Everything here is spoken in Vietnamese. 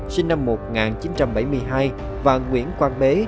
sinh năm một nghìn chín trăm bảy mươi hai và nguyễn quang bế